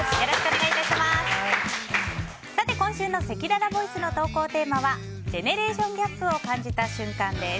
今週のせきららボイスの投稿テーマはジェネレーションギャップを感じた瞬間です。